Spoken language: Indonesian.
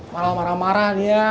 malah marah marah dia